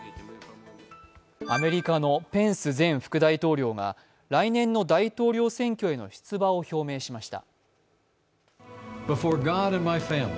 アメリカのペンス前副大統領は来年の大統領選挙への出馬を表明しました。